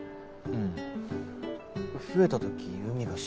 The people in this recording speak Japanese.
うん。